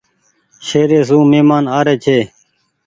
شهري سون مهمان آري ڇي۔